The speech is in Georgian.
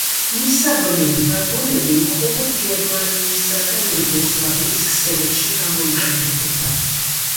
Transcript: მისაბმელი ვაგონები მხოლოდ გერმანიისა და იუგოსლავიის ქსელებში გამოიყენებოდა.